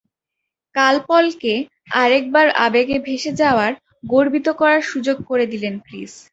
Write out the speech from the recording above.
কাল পলকে আরেকবার আবেগে ভেসে যাওয়ার, গর্বিত করার সুযোগ করে দিলেন ক্রিস।